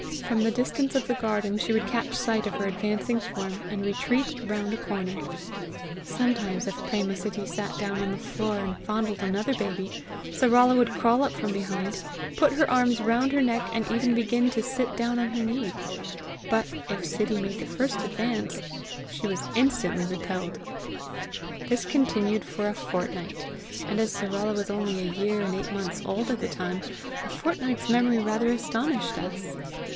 From the distance of the garden she would catch sight of her advancing form, and retreat round a corner. Sometimes if Préma Sittie sat down on the floor and fondled another baby, Sarala would crawl up from behind, put her arms round her neck, and even begin to sit down on her knee; but if her Sittie made the first advance, she was instantly repelled. This continued for a fortnight; and as Sarala was only a year and eight months old at the time, a fortnight's memory rather astonished us.